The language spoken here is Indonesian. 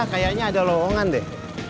kayaknya ada lowongan deh